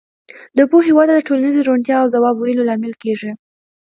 د پوهې وده د ټولنیزې روڼتیا او ځواب ویلو لامل کېږي.